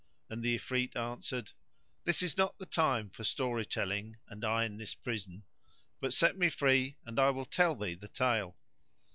and the Ifrit answered, "This is not the time for story telling and I in this prison; but set me free and I will tell thee the tale."